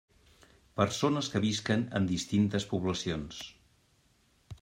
Persones que visquen en distintes poblacions.